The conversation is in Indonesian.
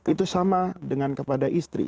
itu sama dengan kepada istri